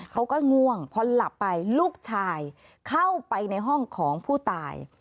ง่วงพอหลับไปลูกชายเข้าไปในห้องของผู้ตาย